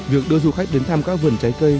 việc đưa du khách đến thăm các vườn trái cây